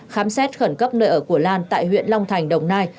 khám xét khẩn cấp nơi ở của lan tại huyện long thành đồng nai